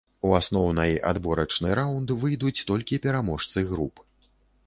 У асноўнай адборачны раўнд выйдуць толькі пераможцы груп.